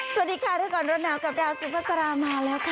สวัสดีค่ะร้อนหนาวกับราวซุฟาสรามาแล้วค่ะ